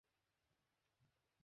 এই ব্যাপারটা কেমন লাগছে ওর?